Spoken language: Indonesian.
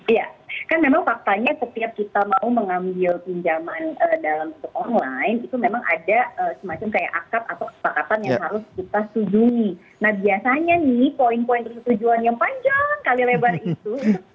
ya kan memang faktanya setiap kita mau mengambil pinjaman dalam online itu memang ada semacam kayak akad atau kesepakatan